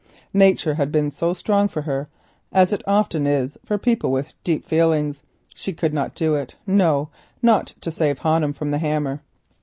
Nature had been too strong for her, as it often is for people with deep feelings; she could not do it, no, not to save Honham from the hammer.